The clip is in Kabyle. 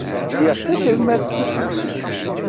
Liɣ taselmadt tusligt.